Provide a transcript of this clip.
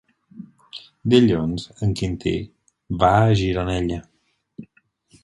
Dilluns en Quintí va a Gironella.